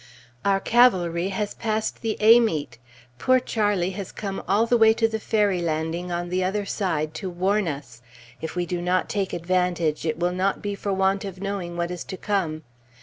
Our cavalry has passed the Amite. Poor Charlie has come all the way to the ferry landing on the other side to warn us. If we do not take advantage, it will not be for want of knowing what is to come.